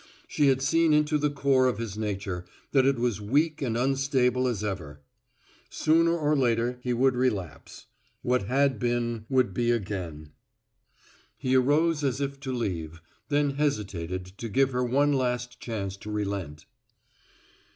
She had seen into the core of his nature, that it was weak and unstable as ever. Sooner or later he would relapse. What had been would be again. He arose as if to leave, then hesitated to give her one last chance to relent.